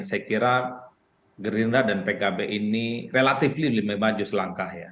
saya kira gerindra dan pkb ini relatif lebih maju selangkah ya